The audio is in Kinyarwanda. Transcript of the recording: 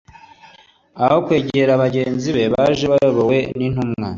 aho kwegera bagenzi be baje bayoboye intumwa,